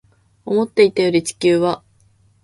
思っていたより地球は